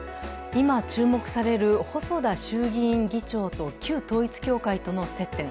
今、注目される細田衆議院議長と旧統一教会との接点。